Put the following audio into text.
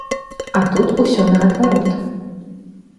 А тут усё наадварот.